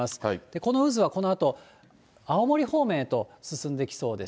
この渦はこのあと、青森方面へと進んでいきそうです。